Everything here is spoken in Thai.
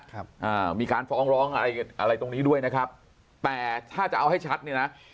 ครับอ่ามีการฟ้องร้องอะไรอะไรตรงนี้ด้วยนะครับแต่ถ้าจะเอาให้ชัดเนี่ยนะ